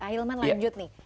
ahilman lanjut nih